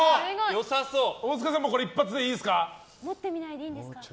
大塚さん、一発でいいですか？